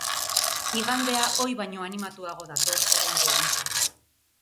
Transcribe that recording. Igandea ohi baino animatuago dator oraingo honetan.